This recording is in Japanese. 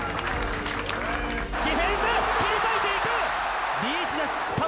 ディフェンス、切り裂いていく！